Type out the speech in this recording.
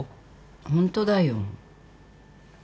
ホントだよ。